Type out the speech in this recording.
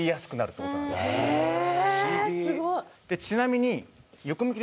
ちなみに。